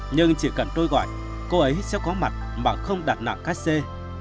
nhưng chỉ cần tôi gọi cô ấy sẽ có mặt mà không đặt nặng khách xe